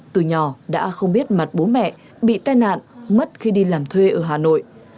từ nhỏ đã không biết mặt bố mẹ bị tai nạn mất khi đi làm thuê ở hà nội